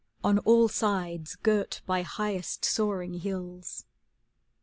On all sides girt by highest soaring hills.